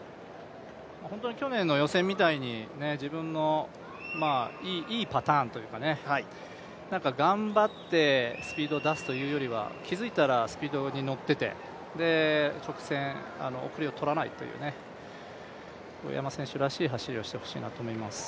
去年の予選みたいに自分のいいパターンというか頑張ってスピード出すというよりは、気づいたらスピードにのってて直線、後れを取らないという上山選手らしい走りをしてほしいなと思いますね。